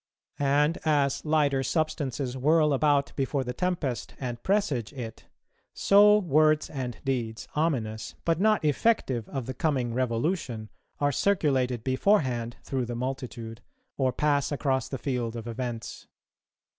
And, as lighter substances whirl about before the tempest and presage it, so words and deeds, ominous but not effective of the coming revolution, are circulated beforehand through the multitude, or pass across the field of events.